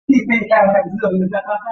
তুমি আমার নামে এই সমস্ত চিঠি কেন লিখলে?